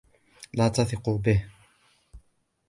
لا تثقوا به.